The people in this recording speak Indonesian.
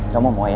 gak mau mau ya